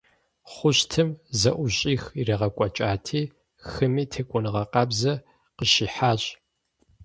Хъущтым зэӏущӏих иригъэкӏуэкӏати, хыми текӏуэныгъэ къабзэ къыщихьащ.